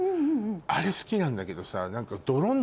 あれ好きなんだけどさ。